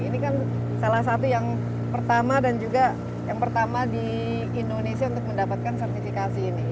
ini kan salah satu yang pertama dan juga yang pertama di indonesia untuk mendapatkan sertifikasi ini